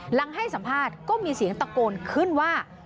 ให้สัมภาษณ์ก็มีเสียงตะโกนขึ้นว่า